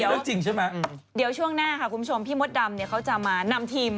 เอาอย่างงี้เดี๋ยวช่วงหน้าค่ะคุณผู้ชมพี่มดดำเนี่ยเขาจะมานำทีม